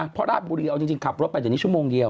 เขารับบุรีเอาจริงขับรถไปอยู่ในชั่วโมงเดียว